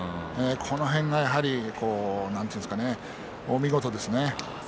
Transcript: この辺が見事ですね。